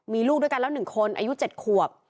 มีลูกด้วยกันแล้วหนึ่งคนอายุเจ็ดขวบ